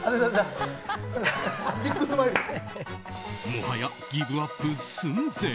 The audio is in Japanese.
もはやギブアップ寸前。